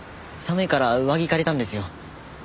寒いから上着借りたんですよ。